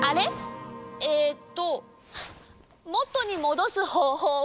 えっともとにもどすほうほうは？